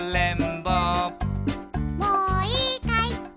もういいかい？